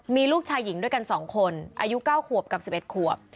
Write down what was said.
มีลูกชายหญิงด้วยกัน๒คนอายุ๙ขวบกับ๑๑ขวบ